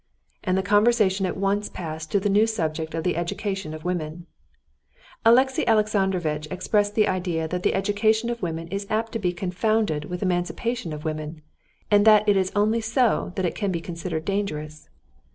And the conversation at once passed to the new subject of the education of women. Alexey Alexandrovitch expressed the idea that the education of women is apt to be confounded with the emancipation of women, and that it is only so that it can be considered dangerous.